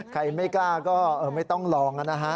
ใครไม่กล้าก็ไม่ต้องลองนะฮะ